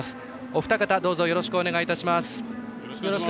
お二方どうぞよろしくお願いします。